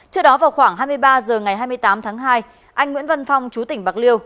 trước đó vào khoảng hai mươi ba h ngày hai mươi tám tháng hai anh nguyễn văn phong chú tỉnh bạc liêu